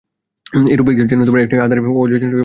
এইরূপ ব্যক্তি যেন একটি আধারে অযত্নরক্ষিত অমসৃণ হীরকখণ্ড।